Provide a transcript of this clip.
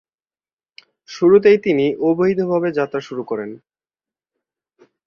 শুরুতেই তিনি অবৈধভাবে যাত্রা শুরু করেন।